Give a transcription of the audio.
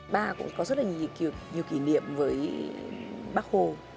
ba cũng có rất là nhiều kỷ niệm với bác hồ